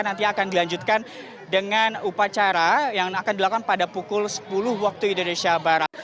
nanti akan dilanjutkan dengan upacara yang akan dilakukan pada pukul sepuluh waktu indonesia barat